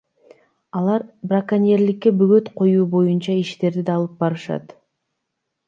Алар браконьерликке бөгөт коюу боюнча иштерди да алып барышат.